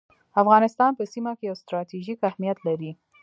افغانستان په سیمه کي یو ستراتیژیک اهمیت لري